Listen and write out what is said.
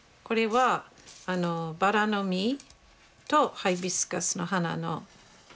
これはバラの実とハイビスカスの花の。